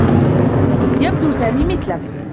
يبدو سامي مثلك.